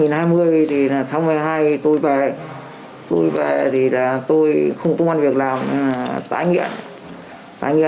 tôi về thì tôi không có công an việc làm tái nghiện